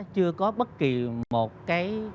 chưa có bất kỳ một cái